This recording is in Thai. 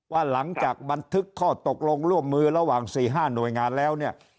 ว่าหลังจากบันทึกข้อตกลงร่วมมือระหว่าง๔๕หน่วยงานแล้วเนี่ย